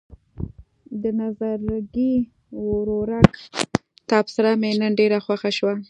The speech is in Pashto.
د نظرګي ورورک تبصره مې نن ډېره خوښه شوه.